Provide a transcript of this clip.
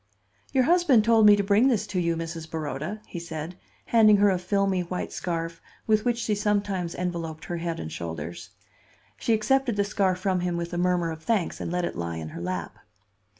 "Your husband told me to bring this to you, Mrs. Baroda," he said, handing her a filmy, white scarf with which she sometimes enveloped her head and shoulders. She accepted the scarf from him with a murmur of thanks, and let it lie in her lap.